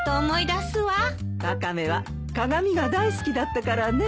ワカメは鏡が大好きだったからね。